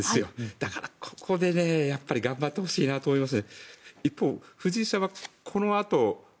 だからここでやっぱり頑張ってほしいなと思いますね。